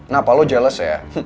nah apa lo jealous ya